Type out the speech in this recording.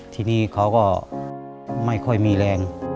ทีนี้เขาก็ไม่ค่อยมีแรง